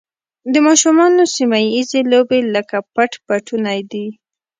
د ماشومانو سیمه ییزې لوبې لکه پټ پټونی دي.